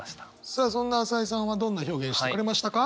さあそんな朝井さんはどんな表現してくれましたか？